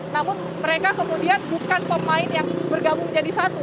namun mereka kemudian bukan pemain yang bergabung jadi satu